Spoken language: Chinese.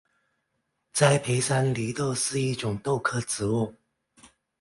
栽培山黧豆是一种豆科植物。